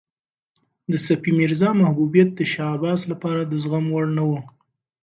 د صفي میرزا محبوبیت د شاه عباس لپاره د زغم وړ نه و.